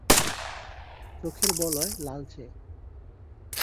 চোখের বলয় লালচে।